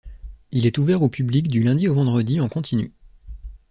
Il est ouvert au public du lundi au vendredi en continu.